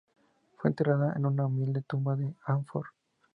Fue enterrada en una humilde tumba en Hanford.